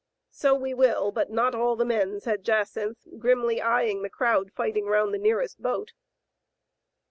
"So we will ; but not all the men/* said Jacynth, grimly eying the crowd fighting round the near est boat.